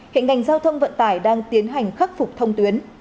hiện ngành giao thông vận tải đang tiến hành khắc phục thông tuyến